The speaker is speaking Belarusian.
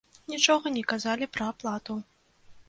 Нічога не казалі пра аплату.